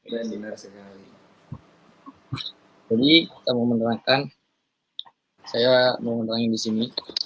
jadi kita mau menerangkan saya mau menerangkan di sini